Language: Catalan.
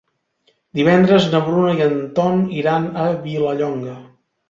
Divendres na Bruna i en Ton iran a Vilallonga.